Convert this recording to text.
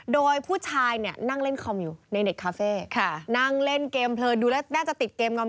โดยผู้ชายเนี่ยนั่งเล่นคอม